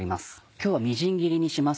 今日はみじん切りにします